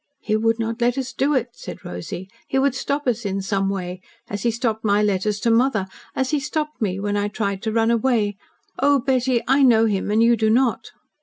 "He would not let us do it," said Rosy. "He would stop us in some way as he stopped my letters to mother as he stopped me when I tried to run away. Oh, Betty, I know him and you do not."